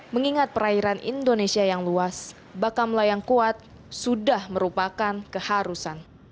mengingat perairan indonesia yang luas bakamla yang kuat sudah merupakan keharusan